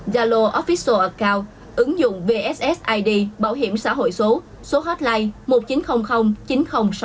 zalo official account ứng dụng vssid bảo hiểm xã hội số số hotline một chín không không chín không sáu tám